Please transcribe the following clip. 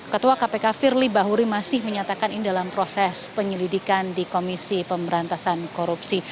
ketua kpk firly bahuri masih menyatakan ini dalam proses penyelidikan di komisi pemberantasan korupsi